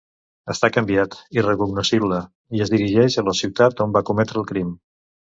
Està canviat, irrecognoscible, i es dirigeix a la ciutat on va cometre el crim.